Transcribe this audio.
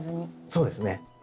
そうですね。